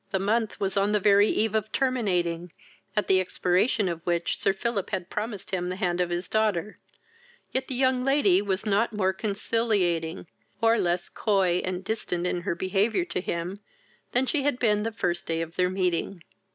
The month was on the very eve of terminating, at the expiration of which Sir Philip had promised him the hand of his daughter; yet the young lady was not more conciliating, or less coy and distant in her behaviour to him, than she had been the first day of their meeting.